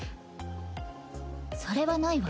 それはないわ。